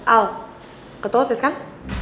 al ketau ses kan